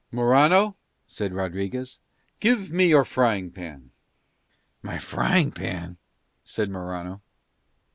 "Morano," said Rodriguez, "give me your frying pan." "My frying pan?" said Morano.